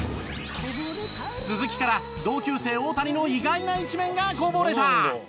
鈴木から同級生大谷の意外な一面がこぼれた。